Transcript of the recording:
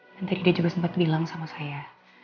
dan tadi dia juga sempet bilang sama saya